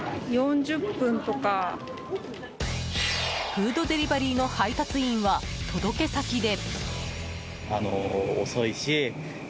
フードデリバリーの配達員は届け先で。